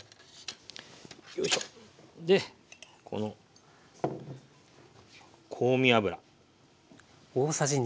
でこの香味油。